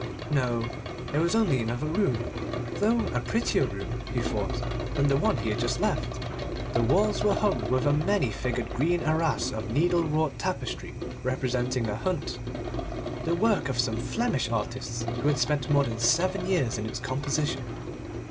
No; there was only another room, though a prettier room, he thought, than the one he had just left. The walls were hung with a many figured green arras of needle wrought tapestry representing a hunt, the work of some Flemish artists who had spent more than seven years in its composition.